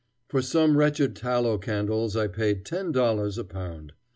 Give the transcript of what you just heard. For some wretched tallow candles I paid ten dollars a pound.